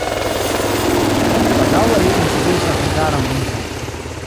Baldaŭe li instruis la hungaran lingvon.